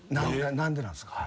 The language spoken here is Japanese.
何でなんすか？